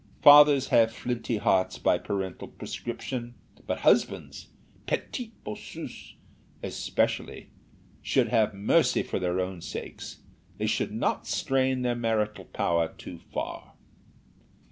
Fathers have flinty hearts by parental prescription; but husbands petit Bossus especially should have mercy for their own sakes; they should not strain their marital power too far."